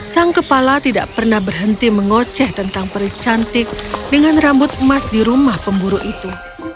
sang kepala tidak pernah berhenti mengoceh tentang perih cantik dengan rambut emas di rumah pemburu itu